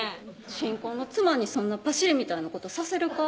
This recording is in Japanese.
新婚の妻にそんなパシリみたいなことさせるか？